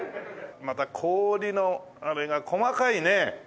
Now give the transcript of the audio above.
また氷のあれが細かいね。